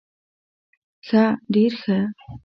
ښه ډير ښه